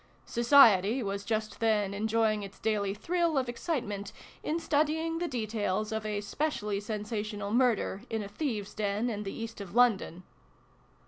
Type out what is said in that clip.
(Society was just then enjoying its daily VIIl] IN A SHADY PLACE. 119 thrill of excitement in studying the details of a specially sensational murder in a thieves' den in the East of London.)